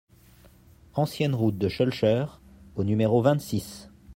Ancienne Route de Schoelcher au numéro vingt-six